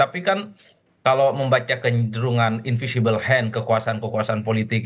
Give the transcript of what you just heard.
tapi kan kalau membaca kenderungan invisible hand kekuasaan kekuasaan politik